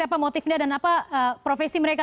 apa motifnya dan apa profesi mereka